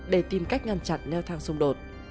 để tìm cách ngăn chặn nêu thang sát